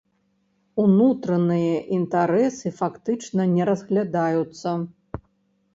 Унутраныя інтарэсы фактычна не разглядаюцца.